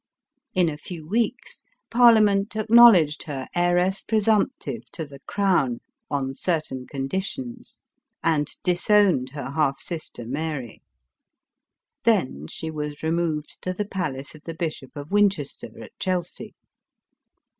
In a few weeks, parliament acknowledged her heiress presumptive to the crown, on certain condi tions, and disowned her half sister Mary. Then she was removed to the palace of the bishop of Winchester, at Chelsea.